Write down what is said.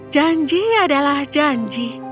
janji adalah janji